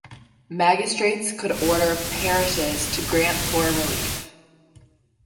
Magistrates could order parishes to grant poor relief.